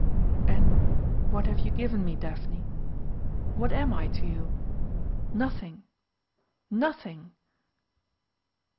"And what have you given me, Daphne? What am I to you? Nothing! Nothing!"